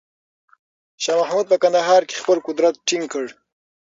شاه محمود په کندهار کې خپل قدرت ټینګ کړ.